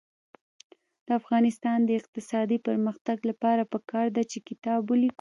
د افغانستان د اقتصادي پرمختګ لپاره پکار ده چې کتاب ولیکو.